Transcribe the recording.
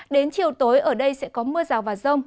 đến chiều tối ở đây sẽ có mưa rào và rông